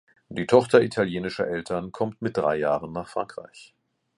Die Tochter italienischer Eltern kommt mit drei Jahren nach Frankreich.